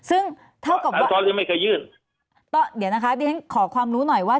ซึ่งเท่ากับอ่าอุทธรณ์ยังไม่เคยยื่นต้องเดี๋ยวนะคะเดี๋ยวนี้ขอความรู้หน่อยว่า